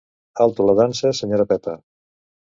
Alto la dansa, senyora Pepa.